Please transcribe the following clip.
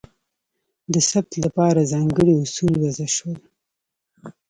د ثبت لپاره ځانګړي اصول وضع شول.